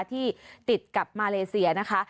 ที่ติดกับมาเลเซียนะคะ